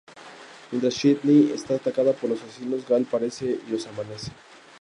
Mientras Sidney es atacada por los asesinos, Gale aparece y los amenaza.